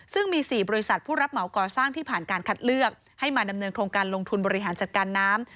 ซึ่งมี๔บริษัทผู้รับเหมาก่อสร้างที่ผ่านการคัดเลือกให้มาดำเนินโครงการลงทุนบริหารจัดการน้ำ